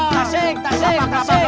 tasik tasik tasik